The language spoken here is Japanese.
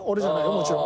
もちろん。